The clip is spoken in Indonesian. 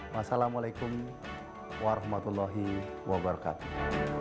wassalamualaikum warahmatullahi wabarakatuh